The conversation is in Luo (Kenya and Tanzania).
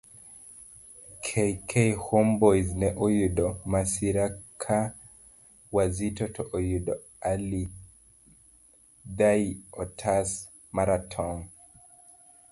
kk Homeboyz ne oyudo masira ka Wazito to oyudo Ali bhai otas maratong'